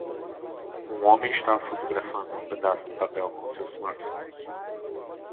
Um homem está fotografando um pedaço de papel com seu smartphone.